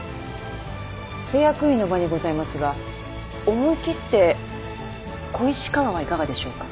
施薬院の場にございますが思い切って小石川はいかがでしょうか。